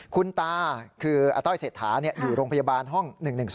คุณตาคืออาต้อยเศรษฐาอยู่โรงพยาบาลห้อง๑๑๒